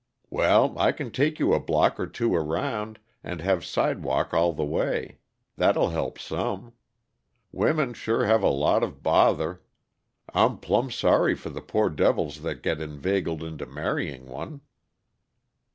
"Well, I can take you a block or two around, and have sidewalk all the way; that'll help some. Women sure are a lot of bother I'm plumb sorry for the poor devils that get inveigled into marrying one."